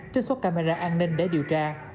trích xuất camera an ninh để điều tra